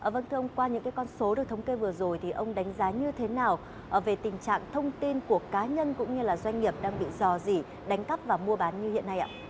vâng thưa ông qua những con số được thống kê vừa rồi thì ông đánh giá như thế nào về tình trạng thông tin của cá nhân cũng như doanh nghiệp đang bị dò dỉ đánh cắp và mua bán như hiện nay ạ